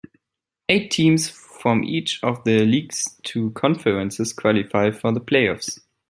Eight teams from each of the league's two conferences qualify for the playoffs.